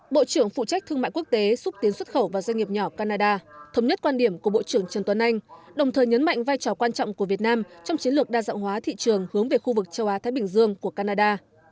bộ trưởng phụ trách thương mại quốc tế xúc tiến xuất khẩu và doanh nghiệp nhỏ canada thống nhất quan điểm của bộ trưởng trần tuấn anh đồng thời nhấn mạnh vai trò quan trọng của việt nam trong chiến lược đa dạng hóa thị trường hướng về khu vực châu á thái bình dương của canada